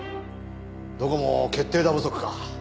どこも決定打不足か。